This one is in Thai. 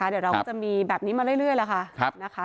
เดี๋ยวเราก็จะมีแบบนี้มาเรื่อยแล้วค่ะ